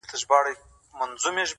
o اسمان ته مي خاته ناسوني نه دی,